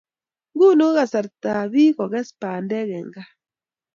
Nguni ko kasarta ab biik ko kes bandek eng' kaa